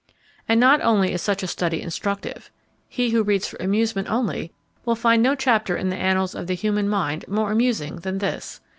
And not only is such a study instructive: he who reads for amusement only will find no chapter in the annals of the human mind more amusing than this.